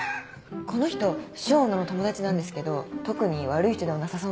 この人笙野の友達なんですけど特に悪い人ではなさそうなんで。